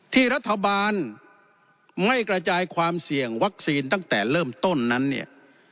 ที่รัฐบาลไม่กระจายความเสี่ยงวัคซีนตั้งแต่เริ่มต้นนั้นเนี่ย